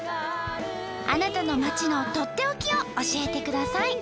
あなたの町のとっておきを教えてください。